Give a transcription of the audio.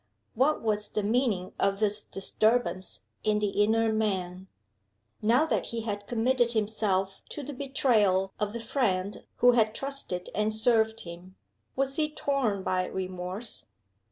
What was the meaning of this disturbance in the inner man? Now that he had committed himself to the betrayal of the friend who had trusted and served him, was he torn by remorse?